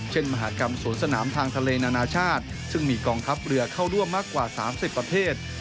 มหากรรมสวนสนามทางทะเลนานาชาติซึ่งมีกองทัพเรือเข้าร่วมมากกว่า๓๐ประเทศ